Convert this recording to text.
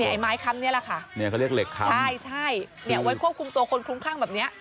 นี่ไอ้ไม้คำเนี่ยแหละค่ะเขาเรียกเหล็กคำใช่ไว้ควบคุมตัวคนคลุ้มคลั่งแบบเนี่ย